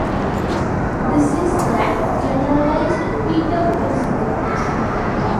This is the "generalized Peter Principle".